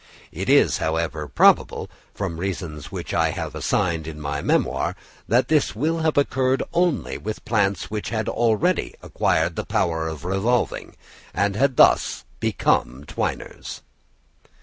It is, however, probable, from reasons which I have assigned in my memoir, that this will have occurred only with plants which had already acquired the power of revolving, and had thus become twiners.